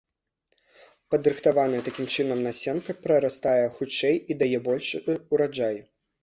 Падрыхтаваная такім чынам насенка прарастае хутчэй і дае большы ўраджай.